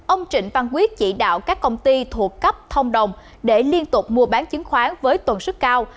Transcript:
ông trịnh văn quyết chỉ đạo các công ty thuộc cấp thông đồng để liên tục mua bán chứng khoán với tuần sức cao